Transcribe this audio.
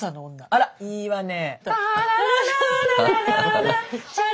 あれいいわね。